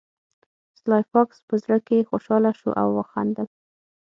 سلای فاکس په زړه کې خوشحاله شو او وخندل